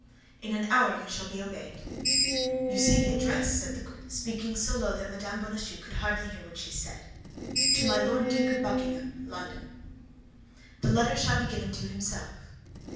"In an hour you shall be obeyed." "You see the address," said the queen, speaking so low that Mme. Bonacieux could hardly hear what she said, "To my Lord Duke of Buckingham, London." "The letter shall be given to himself."